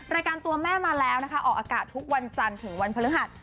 รายการตัวแม่มาแล้วนะคะออกอากาศทุกวันจันทร์ถึงวันพฤหัส